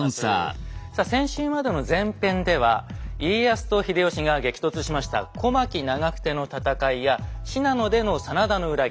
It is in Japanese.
さあ先週までの前編では家康と秀吉が激突しました小牧・長久手の戦いや信濃での真田の裏切り